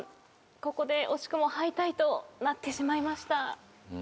ここで惜しくも敗退となってしまいました。